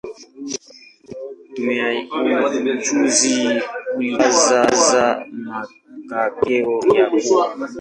Tume ya uchaguzi ilitangaza matokeo ya kuwa